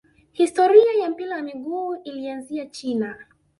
historia ya mpira wa miguu ilianzia china